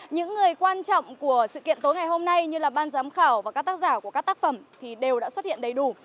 những người quan trọng của sự kiện tối ngày hôm nay như là ban giám khảo và các tác giả của các tác phẩm đều đã xuất hiện đầy đủ